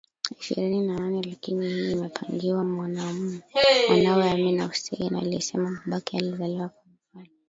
ishirini na nane lakini hii imepingwa Mwanawe Amin Hussein alisema babake alizaliwa Kampala